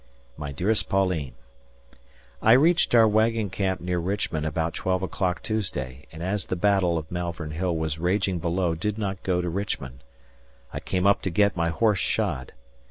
My dearest Pauline: I reached our wagon camp near Richmond about twelve o'clock Tuesday and as the battle [Malvern Hill] was raging below did not go to Richmond. I came up to get my horse shod.